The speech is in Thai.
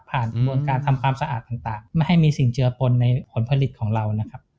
กระบวนการทำความสะอาดต่างไม่ให้มีสิ่งเจือปนในผลผลิตของเรานะครับ